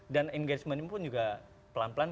dan engagement pun juga pelan pelan